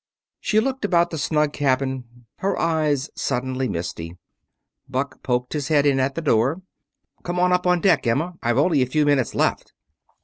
She looked about the snug cabin, her eyes suddenly misty. Buck poked his head in at the door. "Come on up on deck, Emma; I've only a few minutes left."